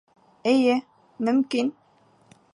Эйе, мөмкин.